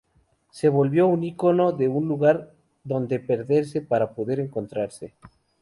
Se volvió un icono de un lugar dónde perderse para poder encontrarse.